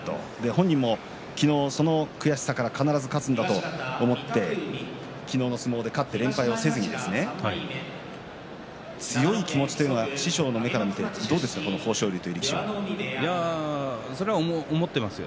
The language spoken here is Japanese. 本人もその悔しさから必ず勝つんだと思って昨日の相撲で勝って連敗をせずに強い気持ちというのは師匠の目から見てどうですか、それは思っていますよ。